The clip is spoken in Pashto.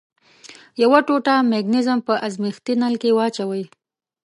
یوه ټوټه مګنیزیم په ازمیښتي نل کې واچوئ.